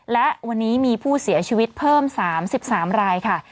และวันนี้มีผู้เสียชีวิตเพิ่ม๓๓รายค่ะ